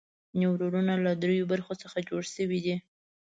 نیورونونه له دریو برخو څخه جوړ شوي دي.